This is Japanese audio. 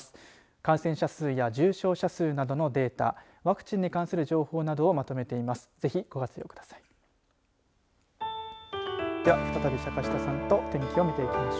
感染者数や重症者数などのデータワクチンに関する情報などをまとめています。